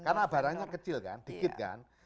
karena barangnya kecil kan dikit kan